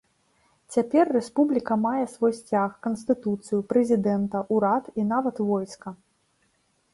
Цяпер рэспубліка мае свой сцяг, канстытуцыю, прэзідэнта, урад і нават войска.